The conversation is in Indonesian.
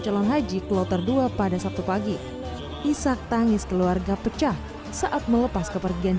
calon haji kloter dua pada sabtu pagi isak tangis keluarga pecah saat melepas kepergian